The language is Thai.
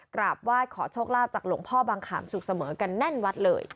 กราบไหว้ขอโชคลาภจากหลวงพ่อบางขามสุขเสมอกันแน่นวัดเลย